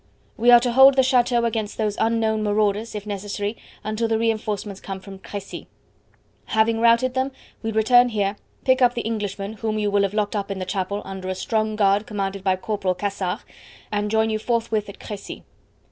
"We are to hold the chateau against those unknown marauders if necessary until the reinforcements come from Crecy. Having routed them, we return here, pick up the Englishman whom you will have locked up in the chapel under a strong guard commanded by Corporal Cassard, and join you forthwith at Crecy."